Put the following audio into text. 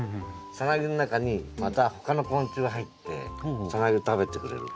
サナギの中にまた他の昆虫が入ってサナギを食べてくれる。